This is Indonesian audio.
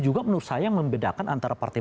juga menurut saya membedakan antara partai